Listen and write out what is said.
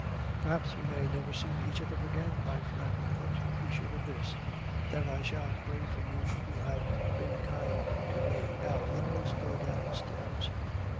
Perhaps we may never see each other again, my friend; but be sure of this, that I shall pray for you who have been kind to me. Now, let us go downstairs.